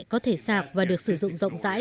có thể sạp và được sử dụng rộng rãi